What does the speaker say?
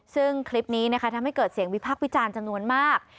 ซึ่งคลิปนี้นะคะทำให้เกิดเสียงวิพักษ์วิจารณ์จำนวนมาก